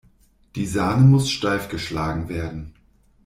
Die Sahne muss steif geschlagen werden.